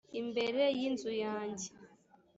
imbere y inzu yanjye